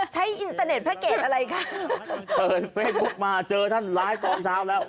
อินเตอร์เน็ตแพ็เกจอะไรคะเปิดเฟซบุ๊กมาเจอท่านไลฟ์ตอนเช้าแล้ว